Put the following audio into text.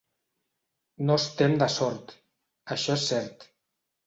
No estem de sort, això és cert.